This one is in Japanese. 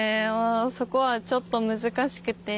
そこはちょっと難しくて。